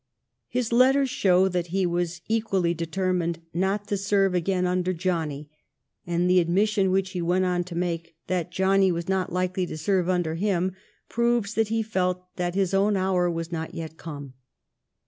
His letters show that he was equally determined not to serve again under '* Johnny "; and the admission which he went on to make, that Johnny was not likely to serve under him, proves that he felt that his own hour was not yet come.